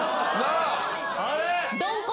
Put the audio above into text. あれ？